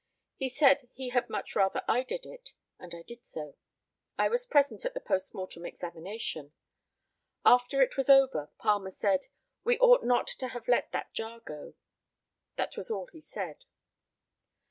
He said he had much rather I did it, and I did so. I was present at the post mortem examination. After it was over, Palmer said, "We ought not to have let that jar go." That was all he said.